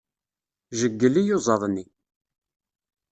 Jeyyel iyuzaḍ-nni.